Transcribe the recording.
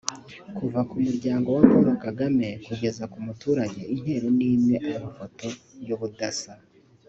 Kuva ku muryango wa Paul Kagame kugeza ku muturage intero n’imwe-Amafoto y’ubudasa